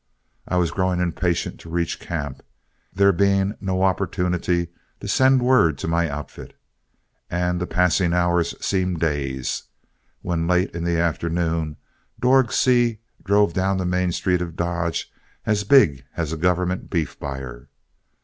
I was growing impatient to reach camp, there being no opportunity to send word to my outfit, and the passing hours seemed days, when late in the afternoon Dorg Seay drove down the main street of Dodge as big as a government beef buyer.